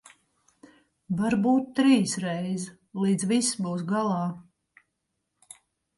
Varbūt trīsreiz, līdz viss būs galā.